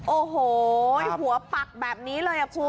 โอ้โหหัวปักแบบนี้เลยคุณ